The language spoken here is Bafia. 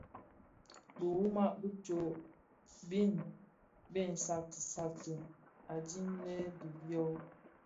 Biwuma bi tsog bin mbiň sakti sakti a dhilem bi byō.